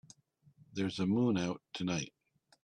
There's a moon out tonight.